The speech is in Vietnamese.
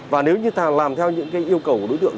và nếu như ta làm theo những cái yêu cầu của đối tượng